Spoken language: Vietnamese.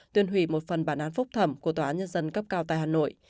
tuyên hủy một phần bản án phúc thẩm của tòa án nhân dân cấp cao tại hà nội